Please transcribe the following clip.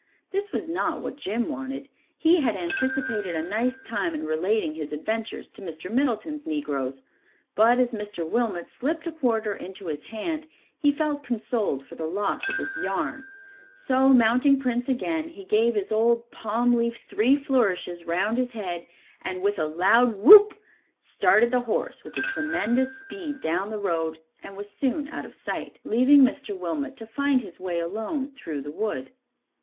This was not what Jim wanted. He had anticipated a nice time in relating his adventures to Mr. Middleton's negroes, but as Mr. Wilmot slipped a quarter into his hand, he felt consoled for the loss of his "yarn"; so mounting Prince again, he gave his old palm leaf three flourishes round his head, and with a loud whoop, started the horse with a tremendous speed down the road and was soon out of sight, leaving Mr. Wilmot to find his way alone through the wood.